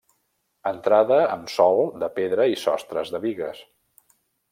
Entrada amb sòl de pedra i sostres de bigues.